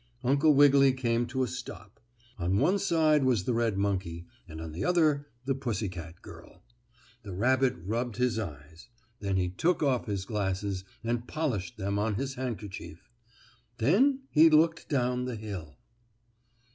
Uncle Wiggily came to a stop. On one side was the red monkey and on the other the pussy girl. The rabbit rubbed his eyes. Then he took off his glasses and polished them on his handkerchief. Then he looked down the hill.